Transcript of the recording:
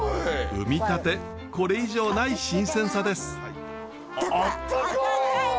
産みたてこれ以上ない新鮮さです。